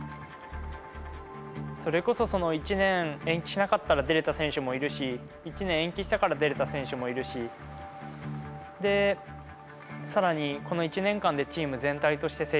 それこそ１年延期しなかったら出れた選手もいるし１年延期したから出れた選手もいるしで更にこの１年間でチーム全体として成長できて。